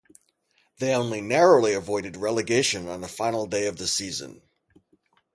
They only narrowly avoided relegation on the final day of the season.